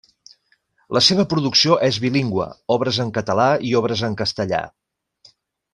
La seva producció és bilingüe, obres en català i obres en castellà.